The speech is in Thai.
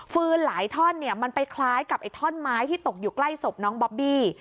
หลายท่อนเนี่ยมันไปคล้ายกับไอ้ท่อนไม้ที่ตกอยู่ใกล้ศพน้องบอบบี้